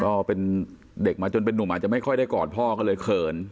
ก็เป็นเด็กมาจนเป็นนุ่มอาจจะไม่ค่อยได้กอดพ่อก็เลยเขิน